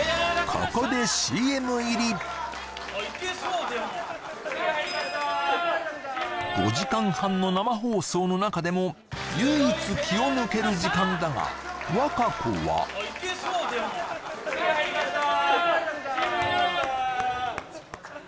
ここでＣＭ入り５時間半の生放送の中でも唯一気を抜ける時間だが和歌子は・ＣＭ入りましたー